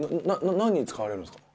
何に使われるんですか？